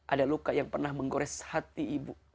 ada luka yang pernah menggores hati ibu